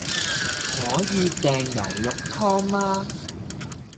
可以訂牛肉湯嗎？